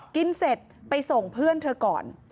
เสร็จไปส่งเพื่อนเธอก่อน